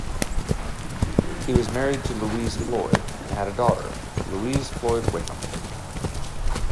He was married to Louise Floyd and had a daughter, Louise Floyd Wickham.